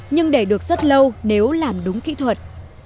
nhưng để được rất lâu nếu làm đúng kỹ thuật